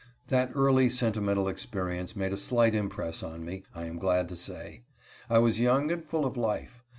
That early sentimental experience made a slight impress on me, I am glad to say. I was young and full of life.